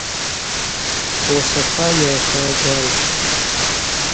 Хӏуасаква йырхӏвра гьраухрым.